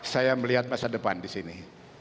saya melihat masa depan disini